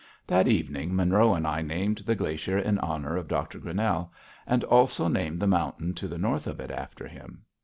That evening Monroe and I named the glacier in honor of Dr. Grinnell, and also named the mountain to the north of it after him.